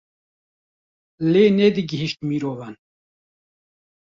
lê nedigihîşt mirovan.